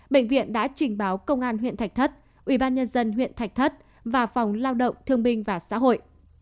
bệnh viện đã trình báo công an huyện thạch thất ubnd huyện thạch thất và phòng lao động thương binh và xã hội